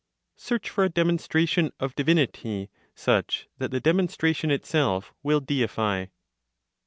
SEARCH FOR A DEMONSTRATION OF DIVINITY SUCH THAT THE DEMONSTRATION ITSELF WILL DEIFY.